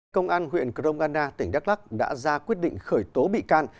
công an huyện grong anna tỉnh đắk lắc đã ra quyết định khởi tố bị can